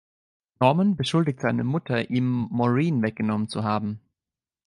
Norman beschuldigt seine Mutter, ihm Maureen weggenommen zu haben.